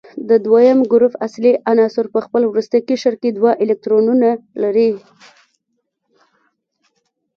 د دویم اصلي ګروپ عناصر په خپل وروستي قشر کې دوه الکترونونه لري.